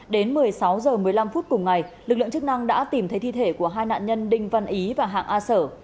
đến một mươi sáu h một mươi năm phút cùng ngày lực lượng chức năng đã tìm thấy thi thể của hai nạn nhân đinh văn ý và hạng a sở